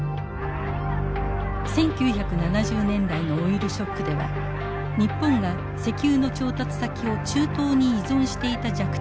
１９７０年代のオイルショックでは日本が石油の調達先を中東に依存していた弱点が露呈。